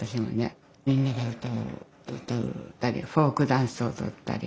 みんなで歌を歌ったりフォークダンスを踊ったり。